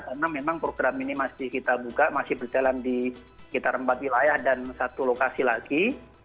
karena memang program ini masih kita buka masih berjalan di sekitar empat wilayah dan satu lokasi lagi